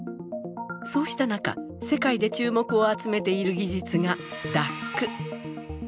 そうした中世界で注目を集めている技術が「ＤＡＣ」。